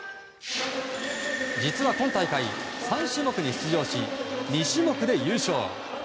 実は今大会、３種目に出場し２種目で優勝。